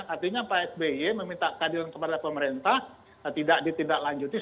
artinya pak sby meminta keadilan kepada pemerintah tidak ditindaklanjuti